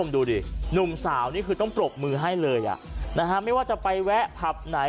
ดูดิหนุ่มสาวนี่คือต้องปรบมือให้เลยไม่ว่าจะไปแวะผับไหน